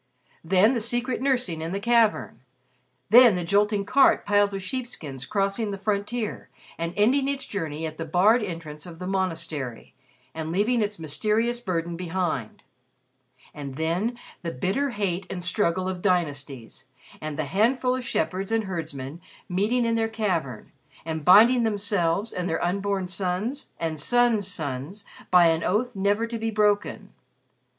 Then the secret nursing in the cavern; then the jolting cart piled with sheepskins crossing the frontier, and ending its journey at the barred entrance of the monastery and leaving its mysterious burden behind. And then the bitter hate and struggle of dynasties, and the handful of shepherds and herdsmen meeting in their cavern and binding themselves and their unborn sons and sons' sons by an oath never to be broken.